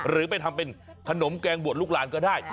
หรือไปทำเป็นขนมแกงบวชลูกหลานก็ได้